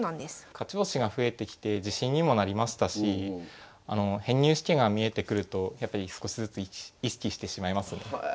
勝ち星が増えてきて自信にもなりましたし編入試験が見えてくるとやっぱり少しずつ意識してしまいますね。